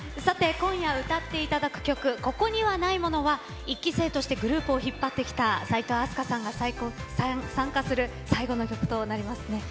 今夜、歌っていただく曲「ここにはないもの」は１期生としてグループを引っ張ってきた齋藤飛鳥さんが参加する最後の曲となりますね。